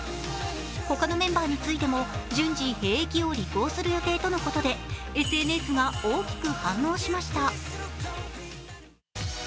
ほかのメンバーについても、順次、兵役を履行することのことでＳＮＳが大きく反応しました。